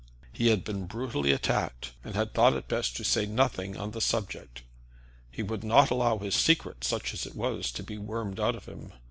He had been brutally attacked, and had thought it best to say nothing on the subject. He would not allow his secret, such as it was, to be wormed out of him.